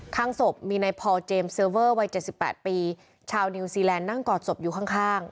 ข้างศพมีนายพอลเจมส์เซอร์เวอร์วัย๗๘ปีชาวนิวซีแลนด์นั่งกอดศพอยู่ข้าง